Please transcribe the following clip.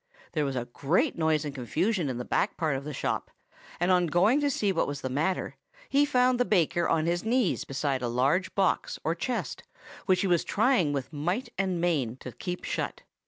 There was a great noise and confusion in the back part of the shop; and on going to see what was the matter, he found the baker on his knees beside a large box or chest, which he was trying with might and main to keep shut.